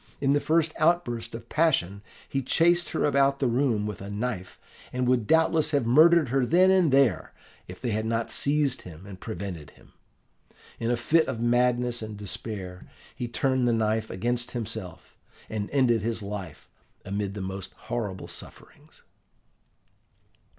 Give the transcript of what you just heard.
In the first outburst of passion, he chased her about the room with a knife, and would doubtless have murdered her then and there, if they had not seized him and prevented him. In a fit of madness and despair he turned the knife against himself, and ended his life amid the most horrible sufferings.